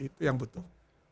itu yang butuh